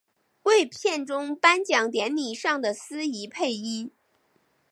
为片中颁奖典礼上的司仪配音。